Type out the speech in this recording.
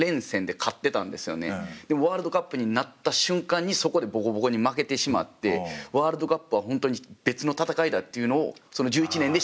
でもワールドカップになった瞬間にそこでボコボコに負けてしまってワールドカップは本当に別の戦いだというのを１１年で知れたので。